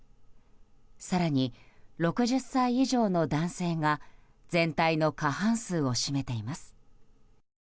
更に、６０歳以上の男性が全体の過半数を占めています。